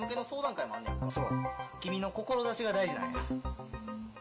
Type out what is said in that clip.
君の志が大事なんや。